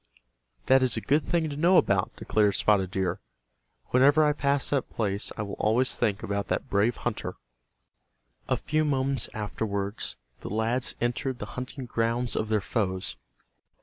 "That is a good thing to know about," declared Spotted Deer. "Whenever I pass that place I will always think about that brave hunter." A few moments afterwards the lads entered the hunting grounds of their foes.